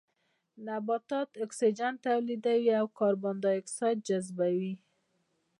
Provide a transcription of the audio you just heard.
نباتات اکسيجن توليدوي او کاربن ډای اکسايد جذبوي